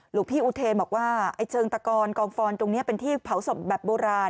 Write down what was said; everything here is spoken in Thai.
หลวงพี่อุเทนบอกว่าไอ้เชิงตะกอนกองฟอนตรงนี้เป็นที่เผาศพแบบโบราณ